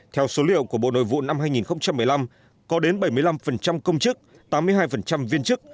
theo số liệu của bộ nội vụ năm hai nghìn một mươi năm có đến bảy mươi năm công chức tám mươi hai viên chức